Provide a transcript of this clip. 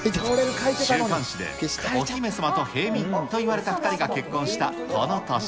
週刊誌でお姫様と平民といわれた２人が結婚したこの年。